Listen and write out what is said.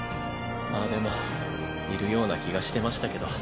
まあでもいるような気がしてましたけど。